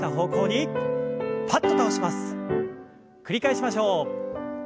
繰り返しましょう。